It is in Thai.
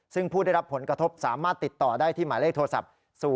ซึ่งผู้ได้รับผลกระทบสามารถติดต่อได้ที่หมายเลขโทรศัพท์